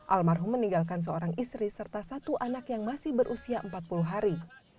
almarhum meninggalkan seorang istri serta satu anak yang masih berusia empat puluh hari